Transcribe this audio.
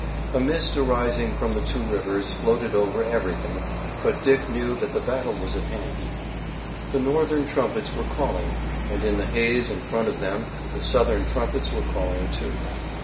A mist arising from the two rivers floated over everything, but Dick knew that the battle was at hand. The Northern trumpets were calling, and in the haze in front of them the Southern trumpets were calling, too.